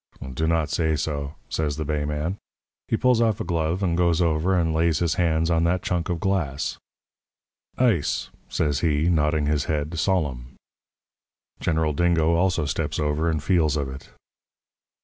"'Do not say so,' says the bay man. He pulls off a glove and goes over and lays his hand on that chunk of glass. "'Ice,' says he, nodding his head, solemn. "General Dingo also steps over and feels of it.